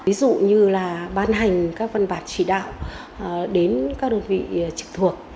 ví dụ như là ban hành các văn bản chỉ đạo đến các đơn vị trực thuộc